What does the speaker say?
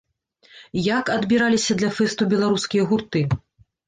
Як адбіраліся для фэсту беларускія гурты?